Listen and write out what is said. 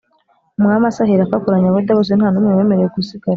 Umwami Asa aherako akoranya Abayuda bose nta n’umwe wemerewe gusigara